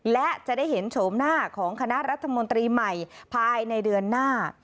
และจะได้เห็นโฉมหน้าของคณะรัฐมนตรีใหม่ภายในเดือนหน้า